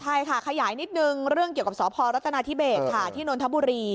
ใช่ค่ะขยายนิดนึงเรื่องเกี่ยวกับสพรัฐนาธิเบสค่ะที่นนทบุรี